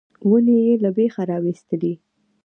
ونې یې له بېخه راویستلې.